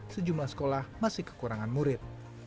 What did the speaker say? sejumlah sekolah masih kekurangan murid